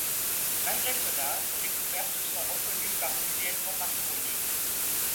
Malgré cela, ses découvertes sont reconnues par Guglielmo Marconi.